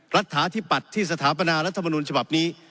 รัฐฐาธิปัตย์ที่สถาปนารัฐมนุนฉบับนี้